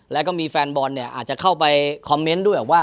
แล้วก็มีแฟนบอลเนี่ยอาจจะเข้าไปคอมเมนต์ด้วยแบบว่า